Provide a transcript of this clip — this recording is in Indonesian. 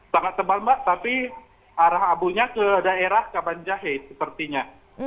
sangat tebal mbak tapi arah abunya ke daerah kabanjahe sepertinya